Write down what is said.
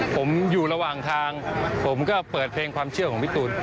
ผมอยู่ระหว่างทางผมก็เปิดเพลงความเชื่อของพี่ตูน